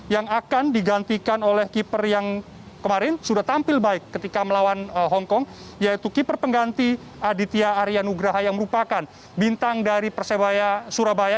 yang akan digantikan oleh keeper yang kemarin sudah tampil baik ketika melawan hongkong yaitu keeper pengganti aditya aryanugraha yang merupakan bintang dari persebaya surabaya